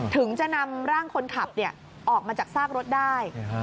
ถึงจะนำร่างคนขับออกมาจากซากรถได้